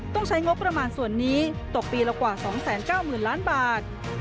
ต้องใช้งบประมาณส่วนนี้ตกปีละกว่า๒๙๐๐๐ล้านบาท